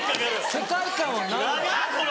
世界観は何なの？